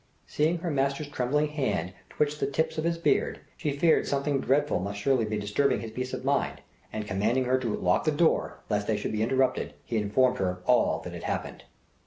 Seeing her master's trembling hand twitch the tips of his beard, she feared something dreadful must surely be disturbing his peace of mind, and commanding her to "lock the door" lest they should be interrupted, he informed her of all that had happened.